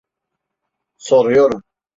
Soruyorum.